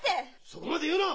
そこまで言うな！